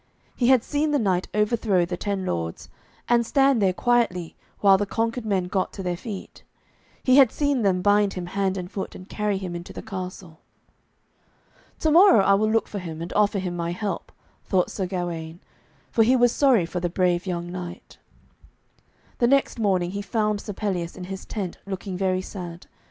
He had seen the knight overthrow the ten lords, and stand there quietly while the conquered men got to their feet. He had seen them bind him hand and foot, and carry him into the castle. 'To morrow I will look for him, and offer him my help,' thought Sir Gawaine, for he was sorry for the brave young knight. The next morning he found Sir Pelleas in his tent, looking very sad.